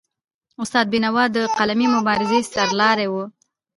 استاد بینوا د قلمي مبارزې سرلاری و.